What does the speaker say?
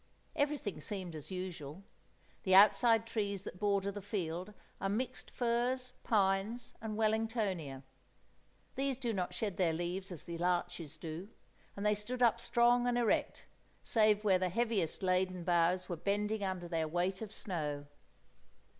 Everything seemed as usual. The outside trees that border the field are mixed firs, pines, and Wellingtonia. These do not shed their leaves as the larches do, and they stood up strong and erect, save where the heaviest laden boughs were bending under their weight of snow.